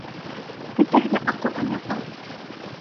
Бөтәһе лә аҡылдан яҙған.